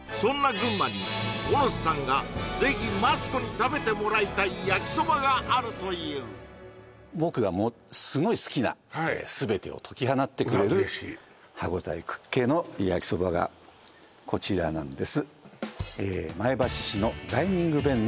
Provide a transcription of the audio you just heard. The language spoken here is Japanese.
群馬に小野瀬さんがぜひマツコに食べてもらいたい焼きそばがあるという僕がもうすごい好きなすべてを解き放ってくれる歯応えクッ系の焼きそばがこちらなんです